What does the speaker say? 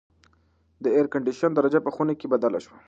د اېرکنډیشن درجه په خونه کې بدله شوه.